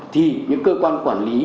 thì những cơ quan quản lý